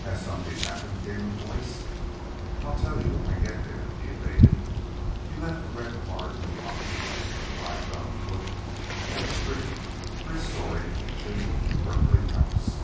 "Has something happened?" came her voice. "I'll tell you when I get there," he evaded. He left the red car two blocks away and arrived on foot at the pretty, three storied, shingled Berkeley house.